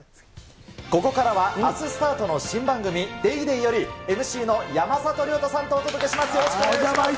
ここからはあすスタートの新番組、ＤａｙＤａｙ．より、ＭＣの山里亮太さんとお届けします。